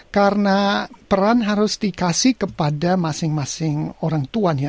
karena peran harus dikasih kepada masing masing orang tuanya